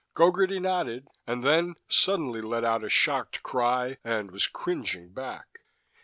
Gogarty nodded, and then suddenly let out a shocked cry, and was cringing back!